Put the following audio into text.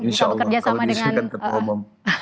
insya allah kalau diizinkan kepada umum